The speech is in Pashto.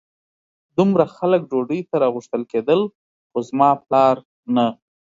دومره خلک ډوډۍ ته راغوښتل کېدل خو زما پلار نه.